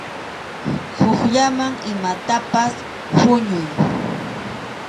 Hukllaman imatapas huñuy.